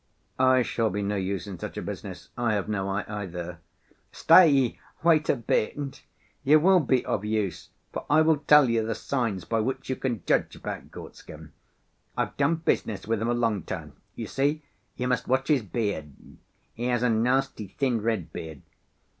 "I shall be no use in such a business. I have no eye either." "Stay, wait a bit! You will be of use, for I will tell you the signs by which you can judge about Gorstkin. I've done business with him a long time. You see, you must watch his beard; he has a nasty, thin, red beard.